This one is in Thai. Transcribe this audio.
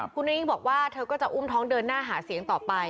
คุณนายยิ่งบอกว่าเธอก็จะอุ้มท้องเดินหน้าหาเสียงต่อไป